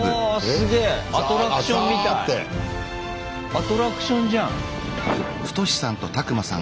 アトラクションじゃん。